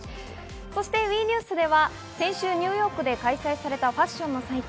ＷＥニュースでは先週ニューヨークで開催されたファッションの祭典